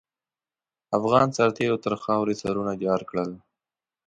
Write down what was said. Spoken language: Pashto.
افغان سرتېرو تر خاروې سرونه جار کړل.